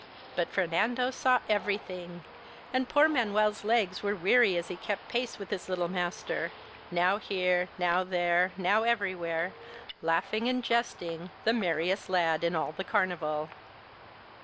But Fernando saw everything, and poor Manuel's legs were weary as he kept pace with his little master, now here, now there, now everywhere, laughing and jesting, the merriest lad in all the carnival.